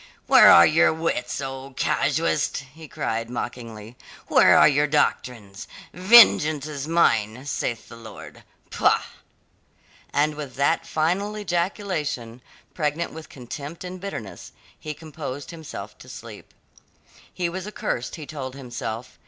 "Where are your wits, O casuist?" he cried mockingly. "Where are your doctrines? 'Vengeance is mine, saith the Lord!' Pah!" And with that final ejaculation, pregnant with contempt and bitterness, he composed himself to sleep. He was accursed he told himself.